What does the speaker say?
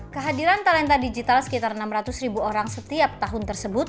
kehadiran talenta digital sekitar enam ratus ribu orang setiap tahun tersebut